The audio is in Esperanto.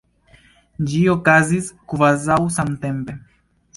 Ĝi okazis kvazaŭ samtempe.